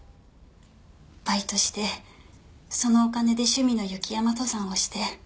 バイトしてそのお金で趣味の雪山登山をして。